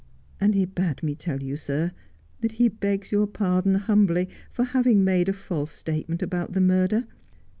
And he bade me tell you, sir, that he begs your pardon humbly for having made a false statement about the murder.